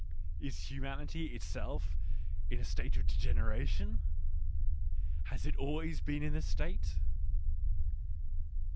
is humanity itself in a state of degeneration ? Has it always been in this state